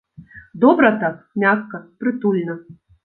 Добра так, мякка, прытульна.